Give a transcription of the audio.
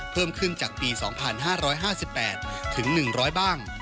เพิ่มขึ้นจากปี๒๕๕๘ถึง๑๐๐บ้าง